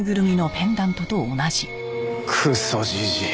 クソじじい。